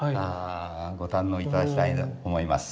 ご堪能いただきたいと思います。